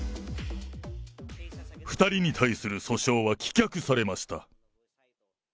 ２人に対する訴訟は棄却されました。